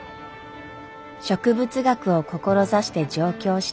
植物学を志して上京した万太郎。